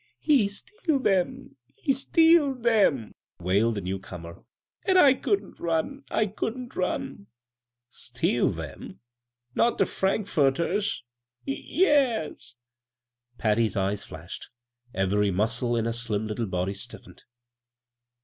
" He stealed 'em — he stealed 'em I " wailed the newcomer, " an' I couldn't nm — I couldn't run I" *' Stealed 'em t — ^not de frankfurters !"" Y yes." Patty's eyes flashed. Every musde in her slim little body stiffened.